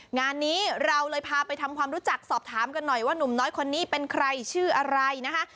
งานนี้เราเลยพาไปทำความรู้จักสอบถามกันหน่อยว่านุ่มน้อยคนนี้เป็นใครชื่ออะไรนะคะ